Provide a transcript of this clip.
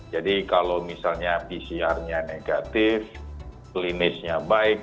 jadi kalau misalnya pcr nya negatif klinisnya baik